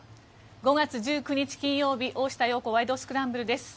５月１９日、金曜日「大下容子ワイド！スクランブル」。